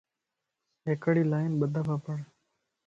ھڪڙي لائن ٻه دفع پڙھ